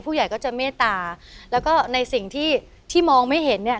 ผู้ใหญ่ก็จะเมตตาแล้วก็ในสิ่งที่ที่มองไม่เห็นเนี่ย